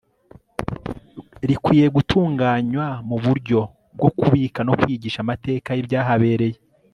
rikwiye gutunganywa mu buryo bwo kubika no kwigisha amateka y'ibyahabereye